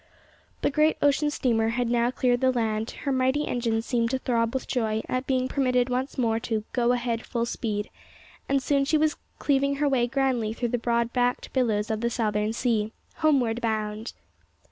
The great ocean steamer had now cleared the land; her mighty engines seemed to throb with joy at being permitted once more to, "Go ahead, full speed," and soon she was cleaving her way grandly through the broad backed billows of the Southern sea homeward bound!